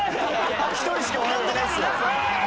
１人しか笑ってないですよ。